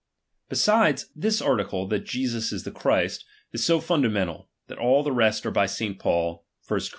Besides, this article, that Jesus ia the Christ, is so fundamental, that all the rest are by St. Paul (1 Cor.